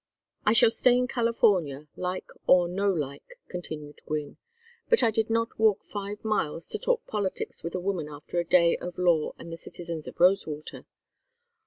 "I shall stay in California, like or no like," continued Gwynne. "But I did not walk five miles to talk politics with a woman after a day of law and the citizens of Rosewater.